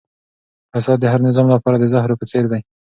فساد د هر نظام لپاره د زهرو په څېر دی.